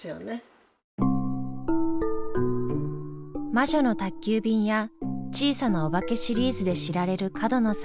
「魔女の宅急便」や「小さなおばけ」シリーズで知られる角野さん。